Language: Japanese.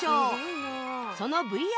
その ＶＲ